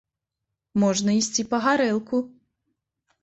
Можна ісці па гарэлку!